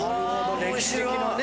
歴史的なね